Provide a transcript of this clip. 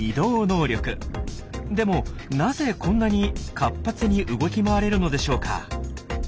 でもなぜこんなに活発に動き回れるのでしょうか？